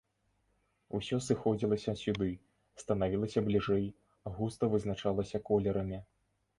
Усё сыходзілася сюды, станавілася бліжэй, густа вызначалася колерамі.